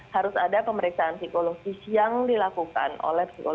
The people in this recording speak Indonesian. harus ada pemeriksaan psikologis yang dilakukan oleh psikologis